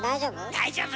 大丈夫？